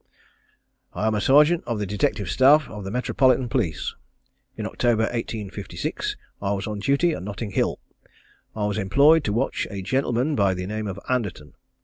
_ I am a sergeant on the detective staff of the Metropolitan Police. In October, 1856, I was on duty at Notting Hill. I was employed to watch a gentleman by the name of Anderton.